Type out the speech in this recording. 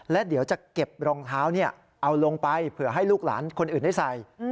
และเดี๋ยวจะเก็บรองเท้าเอาลงไปเผื่อให้ลูกหลานคนอื่นได้ใส่